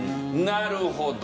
なるほど。